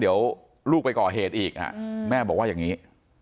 เดี๋ยวลูกไปก่อเหตุอีกแม่บอกว่าอย่างนี้